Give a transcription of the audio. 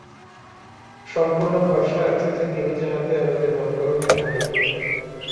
সম্পূর্ণ ভরসা আছে যে, তিনি যাহাতে আমাদের মঙ্গল হয়, তাহাই করিবেন।